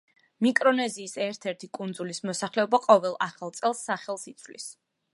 მიკრონეზიის ერთ–ერთი კუნძულის მოსახლეობა ყოველ ახალ წელს სახელს იცვლის.